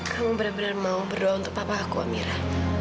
kamu bener bener mau berdoa untuk papa aku amira